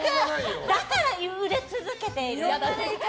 だから売れ続けてる。